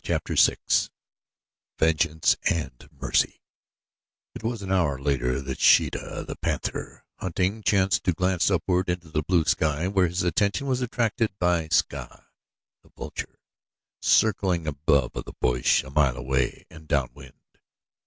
Chapter VI Vengeance and Mercy It was an hour later that Sheeta, the panther, hunting, chanced to glance upward into the blue sky where his attention was attracted by Ska, the vulture, circling slowly above the bush a mile away and downwind.